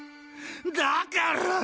だからァ！